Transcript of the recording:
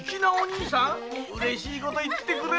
うれしいこと言ってくれるね。